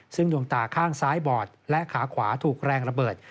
ซึ่งดวงตาข้างซ้ายบอดและขาขวาถูกแรงระเบิด